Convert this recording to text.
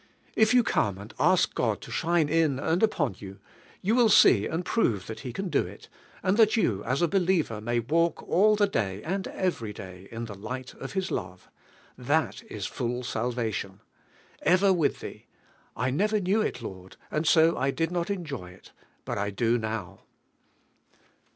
If yon re and ask God to shine in and upon von, you will see and prove Mi; I It. can do it, and that you as a believer may walk all I he day and every day in the light of 1 1 is hive. ThaL is "full salvation." " Ever with Thee ; I never knew it, Lord, and si. I did not enjoy it, hilt I do DOW."